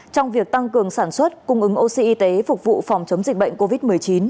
trong việc tăng cường sản xuất cung ứng oxy phục vụ phòng chống dịch bệnh covid một mươi chín